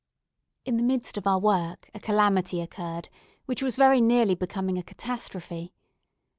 In the midst of our work a calamity occurred, which was very nearly becoming a catastrophe.